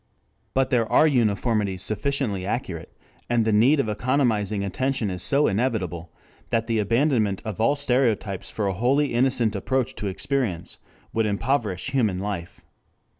But there are uniformities sufficiently accurate, and the need of economizing attention is so inevitable, that the abandonment of all stereotypes for a wholly innocent approach to experience would impoverish human life.